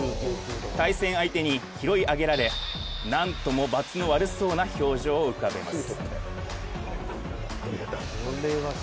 対戦相手に拾い上げられなんともバツの悪そうな表情を浮かべます。